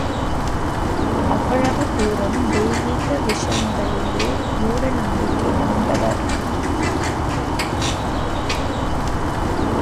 அவ்வளவு தூரம் தெய்வீக விஷயங்களிலே மூட நம்பிக்கை கொண்டவர்.